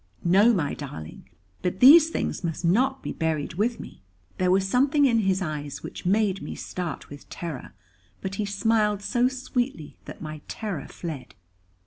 "No, my darling; but these things must not be buried with me." There was something in his eyes which made me start with terror. But he smiled so sweetly that my terror fled.